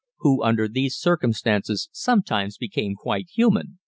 who under these circumstances sometimes became quite human.